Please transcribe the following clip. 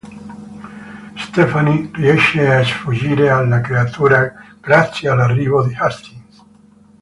Stephanie riesce a sfuggire alla creatura grazie all'arrivo di Hastings.